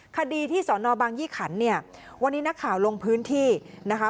คดีที่สอนอบางยี่ขันเนี่ยวันนี้นักข่าวลงพื้นที่นะคะ